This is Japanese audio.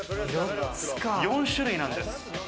４種類なんです。